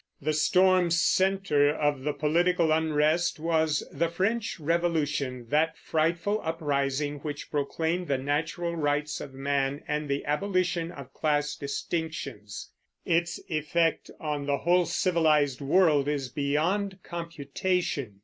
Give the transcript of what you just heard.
The storm center of the political unrest was the French Revolution, that frightful uprising which proclaimed the natural rights of man and the abolition of class distinctions. Its effect on the whole civilized world is beyond computation.